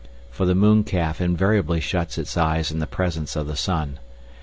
(For the mooncalf invariably shuts its eyes in the presence of the sun.)